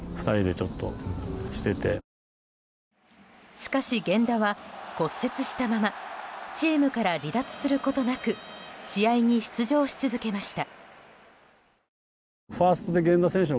しかし、源田は骨折したままチームから離脱することなく試合に出場し続けました。